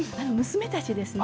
娘たちですね。